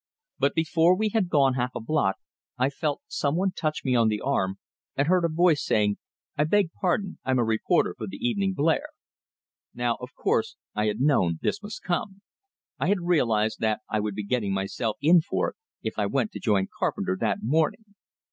But before we had gone half a block I felt some one touch me on the arm, and heard a voice, saying, "I beg pardon, I'm a reporter for the 'Evening Blare'." Now, of course, I had known this must come; I had realized that I would be getting myself in for it, if I went to join Carpenter that morning.